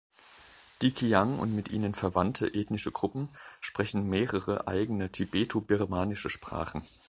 Die Qiang und mit ihnen verwandte ethnische Gruppen sprechen mehrere eigene tibeto-birmanische Sprachen.